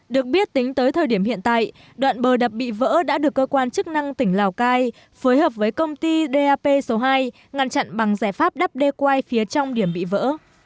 được biết tính tới thời điểm hiện tại đoạn bờ đập bị vỡ đã được cơ quan chức năng tỉnh lào cai phối hợp với công ty dap số hai ngăn chặn bằng giải pháp đắp đê quai phía trong điểm bị vỡ